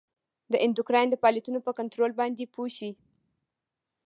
د اندوکراین د فعالیتونو په کنترول باندې پوه شئ.